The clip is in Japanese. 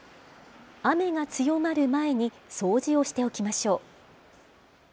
雨が強まる前に、掃除をしておきましょう。